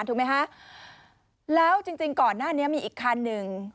ถูกไหมคะแล้วจริงจริงก่อนหน้านี้มีอีกคันหนึ่ง